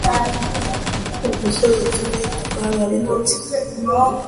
Udusozi tune twararidutse